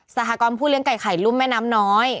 สหกรณ์ผู้เลี้ยไก่ไข่รุ่มแม่น้ำน้อย